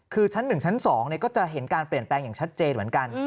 คือชั้น๑ชั้น๒ก็จะเห็นการเปลี่ยนแปลงอย่างชัดเจนเหมือนกัน